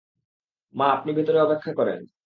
মা, আপনি ভিতরে অপেক্ষা করেন।